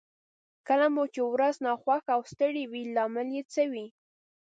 کله مو چې ورځ ناخوښه او ستړې وي لامل يې څه وي؟